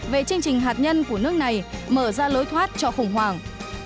về chương trình hạt nhân của nước này mở ra lối thoát cho khủng hoảng